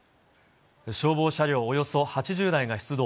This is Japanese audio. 消防車両およそ８０台が出動。